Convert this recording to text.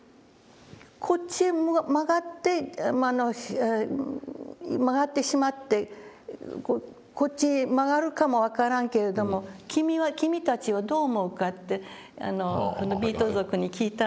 「こっちへ曲がって曲がってしまってこうこっちへ曲がるかも分からんけれども君は君たちはどう思うか？」ってビート族に聞いたんです。